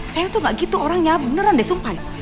saya tuh gak gitu orangnya beneran deh sumpah